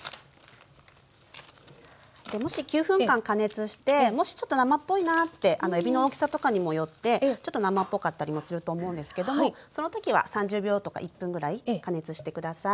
でもし９分間加熱してもしちょっと生っぽいなってえびの大きさとかにもよってちょっと生っぽかったりもすると思うんですけどその時は３０秒とか１分ぐらい加熱して下さい。